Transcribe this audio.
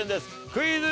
クイズ。